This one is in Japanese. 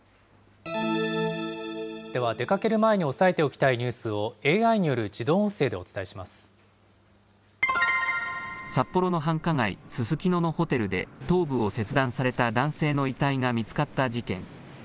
では、出かける前に押さえておきたいニュースをＡＩによる自札幌の繁華街、ススキノのホテルで頭部を切断された男性の遺体が見つかった事件。